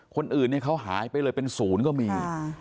คนอื่นเนี่ยเขาหายไปเลยเป็นศูนย์ก็มี